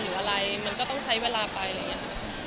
หรืออะไรมันก็ต้องใช้เวลาไปอะไรอย่างนี้